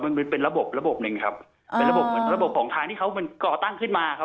มันเป็นระบบระบบหนึ่งครับเป็นระบบเหมือนระบบของทางที่เขามันก่อตั้งขึ้นมาครับ